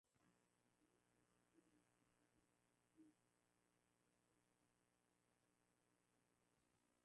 hitimisho la Tume ya Dunia juu ya sera ya Dawa kwamba ukombozi ndio njia